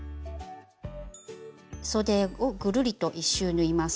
そでをぐるりと１周縫います。